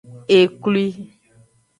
Eklwi.